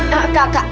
kak kak kak